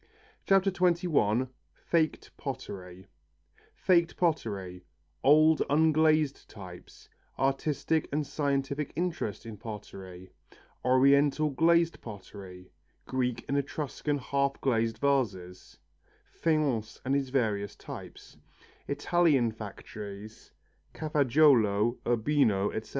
CHAPTER XXI FAKED POTTERY Faked pottery Old unglazed types Artistic and scientific interest in pottery Oriental glazed pottery Greek and Etruscan half glazed vases Faience and its various types Italian factories, Cafaggiolo, Urbino, etc.